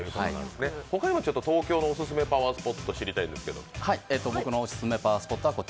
他にも東京のオススメパワースポットを知りたいんですけど。